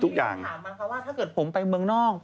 ตอนนี้มีคนถามมาว่าถ้าผมไปเมืองนอก